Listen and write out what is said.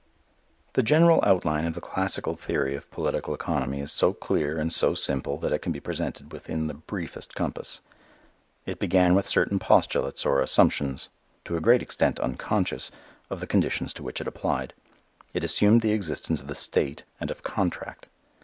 The general outline of the classical theory of political economy is so clear and so simple that it can be presented within the briefest compass. It began with certain postulates, or assumptions, to a great extent unconscious, of the conditions to which it applied. It assumed the existence of the state and of contract.